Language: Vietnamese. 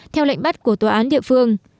theo lệnh bắt của tòa án địa phương